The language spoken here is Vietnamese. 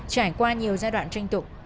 trải qua nhiều giai đoạn tranh tụ